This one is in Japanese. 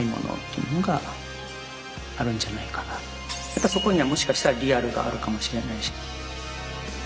やっぱそこにはもしかしたらリアルがあるかもしれないし。